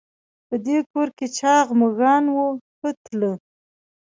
په دې کور کې چاغ مږان وو ښه تلي.